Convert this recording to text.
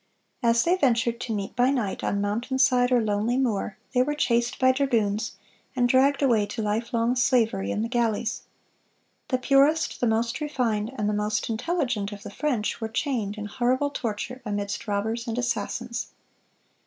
As they ventured to meet by night on mountainside or lonely moor, they were chased by dragoons, and dragged away to life long slavery in the galleys. The purest, the most refined, and the most intelligent of the French, were chained, in horrible torture, amidst robbers and assassins.